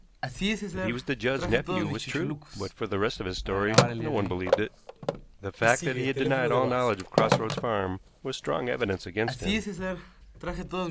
That he was the Judds' nephew was true, but for the rest of his story, no one believed it. The fact that he had denied all knowledge of Cross Roads Farm was strong evidence against him.